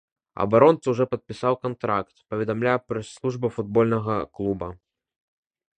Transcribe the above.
Абаронца ўжо падпісаў кантракт, паведамляе прэс-служба футбольнага клуба.